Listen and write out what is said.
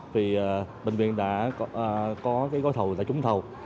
vì bệnh viện đã có cái gói thầu đã trúng thầu